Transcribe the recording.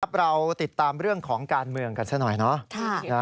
เราติดตามเรื่องของการเมืองกันซะหน่อยเนาะ